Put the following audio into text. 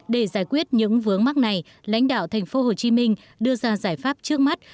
để giải quyết những vướng mắt này lãnh đạo tp hcm đưa ra giải pháp trước mắt